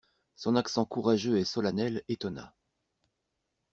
Son accent courageux et solennel étonna.